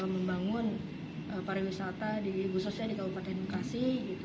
membangun pariwisata khususnya di kabupaten bekasi